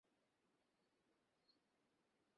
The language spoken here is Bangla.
তিনি ‘আমব্রোসিয়া’ নামে একটি মেডিকেল জার্নাল পরিচালনা করেন।